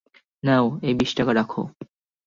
নেও, এই বিশটা টাকা রাখ।